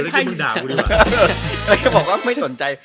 มึงคือมึงถึงแล้วคุยด่ากูดีกว่าเอ้ยเขาบอกว่าไม่สนใจ